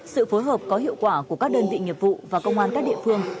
sự phối hợp có hiệu quả của các đơn vị nghiệp vụ và công an các địa phương